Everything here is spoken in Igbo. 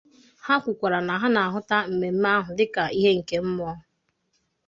Ha kwukwara na ha na-ahụta mmemme ahụ dịka ihe nke mmụọ